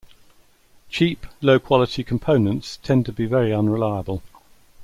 Cheap low quality components tend to be very unreliable.